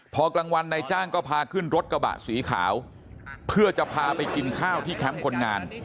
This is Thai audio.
พอกลางวันนายจ้างก็พาขึ้นรถกระบะสีขาวเพื่อจะพาไปกินข้าวที่แคมป์คนงาน